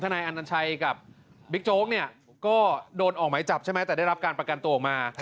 หลังธนายอันนันชัยกับบิ๊กโจ๊กก็โดนออกไม้จับแต่ได้รับการประกันตัวออกมา